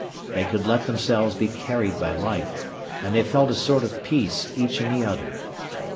They could let themselves be carried by life, and they felt a sort of peace each in the other.